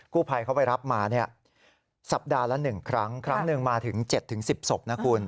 ผู้ภัยเขาไปรับมาสัปดาห์ละ๑ครั้งครั้งหนึ่งมาถึง๗๑๐ศพนะคุณ